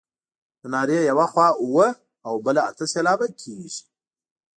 د نارې یوه خوا اووه او بله اته سېلابه کیږي.